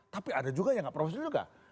tapi ada juga yang gak profesional juga